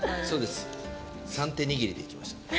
そうです三手握りでいきました。